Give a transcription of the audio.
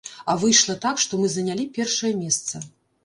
А выйшла так, што мы занялі першае месца.